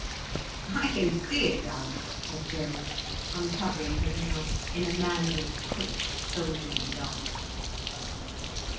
"I can see it does," said Gerald, uncovering his mouth in a manly, quick, soldierly laugh.